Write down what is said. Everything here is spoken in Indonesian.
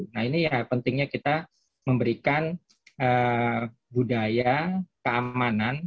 nah ini ya pentingnya kita memberikan budaya keamanan